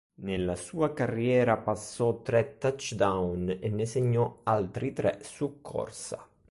Nella sua carriera passò tre touchdown e ne segnò altri tre su corsa.